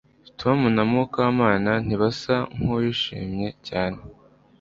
Tom na Mukamana ntibasa nkuwishimye cyane